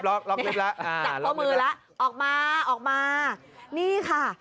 ล็อกลิฟต์ล็อกลิฟต์แล้วล็อกลิฟต์แล้วออกมาออกมานี่ค่ะ